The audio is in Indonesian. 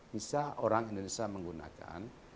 bisa orang indonesia menggunakan